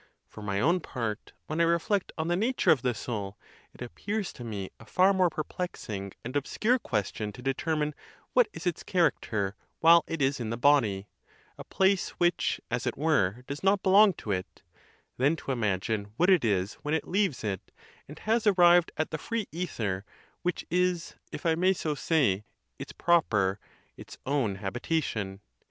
For my own part, when I reflect on the nature of the soul, it appears to me a far more perplexing and obscure question to determine what is its character while it is in the body —a place which, as it were, does not belong to it—than to imagine what it is when it leaves it, and has arrived at the free «ther, which is, if I may so say, its proper, its own habitation.